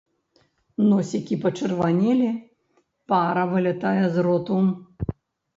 Носікі пачырванелі, пара вылятае з роту.